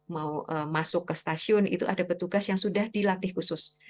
mau masuk ke stasiun itu ada petugas yang sudah dilatih khusus